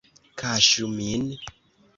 Kaŝu min!